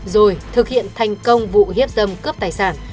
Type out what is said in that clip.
rồi thực hiện thành công vụ hiếp dâm cướp tài sản